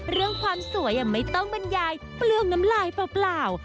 เรื่องความสวยไม่ต้องบรรยายเปลืองน้ำลายเปล่า